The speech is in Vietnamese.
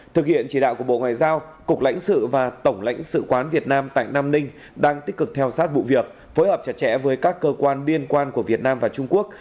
thực hiện chỉ đạo của bộ ngoại giao cục lãnh sự và tổng lãnh sự quán việt nam tại nam ninh đang tích cực theo sát vụ việc phối hợp chặt chẽ với các cơ quan liên quan của việt nam và trung quốc